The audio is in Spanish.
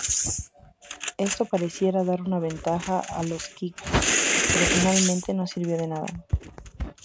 Esto parecía dar ventaja a los Knicks, pero finalmente no sirvió de nada.